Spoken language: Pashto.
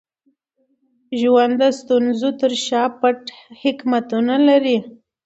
ژوند د ستونزو تر شا پټ حکمتونه لري.